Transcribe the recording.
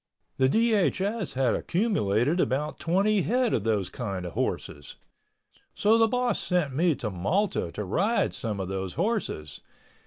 The DHS had accumulated about twenty head of those kind of horses. So the boss sent me to Malta to ride some of those horses.